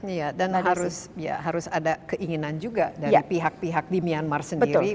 iya dan harus ada keinginan juga dari pihak pihak di myanmar sendiri